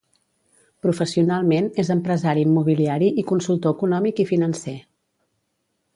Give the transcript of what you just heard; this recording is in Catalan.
Professionalment és empresari immobiliari i consultor econòmic i financer.